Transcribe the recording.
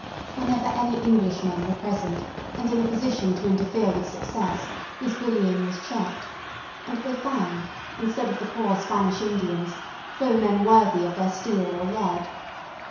Whenever any Englishmen were present, and in a position to interfere with success, this bullying was checked; and they found, instead of the poor Spanish Indians, foemen worthy of their steel or lead.